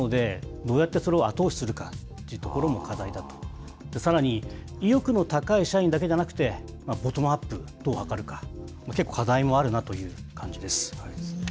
なので、どうやってそれを後押しするかということも課題だと。さらに意欲の高い社員だけじゃなくて、ボトムアップをどう図るか、結構、課題もあるなという感じです。